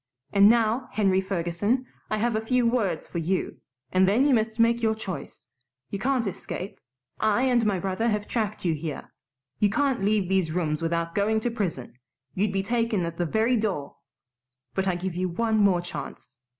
And now, Henry Ferguson, I've a few words for you, and then you must take your choice. You can't escape. I and my brother have tracked you here. You can't leave these rooms without going to prison. You'd be taken at the very door. But I give you one more chance.